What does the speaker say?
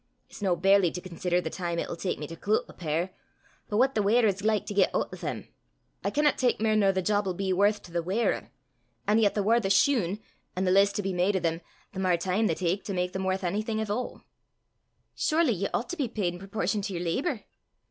It's no barely to consider the time it'll tak me to cloot a pair, but what the weirer's like to git oot o' them. I canna tak mair nor the job 'ill be worth to the weirer. An' yet the waur the shune, an' the less to be made o' them, the mair time they tak to mak them worth onything ava'!" "Surely ye oucht to be paid in proportion to your labour."